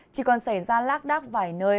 chỉ còn xảy ra lác đác vài nơi